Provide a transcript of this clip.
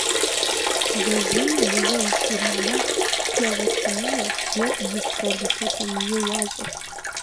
Жьэжьейм мывэ илъурамэ, пиелотомие е нефролитотомие ящӏыр.